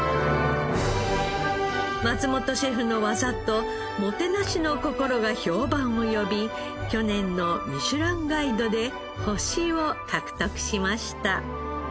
松本シェフの技ともてなしの心が評判を呼び去年の『ミシュランガイド』で星を獲得しました。